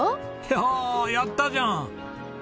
いややったじゃん！